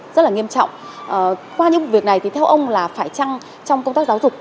rất là nghiêm trọng qua những việc này thì theo ông là phải trăng trong công tác giáo dục